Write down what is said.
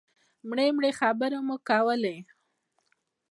مړې مړې خبرې مو کولې.